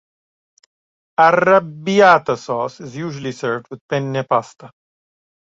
Arrabbiata sauce is usually served with penne pasta.